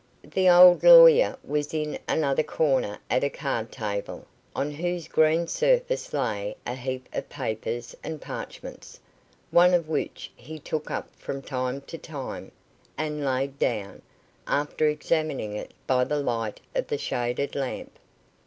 The old lawyer was in another corner at a card table, on whose green surface lay a heap of papers and parchments, one of which he took up from time to time, and laid down, after examining it by the light of the shaded lamp.